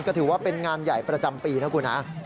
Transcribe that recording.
ก็ถือว่าเป็นงานใหญ่ประจำปีนะคุณฮะ